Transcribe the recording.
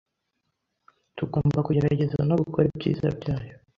Tugomba kugerageza no gukora ibyiza byayo.